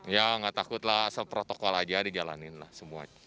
ya tidak takutlah asal protokol saja dijalanin lah semua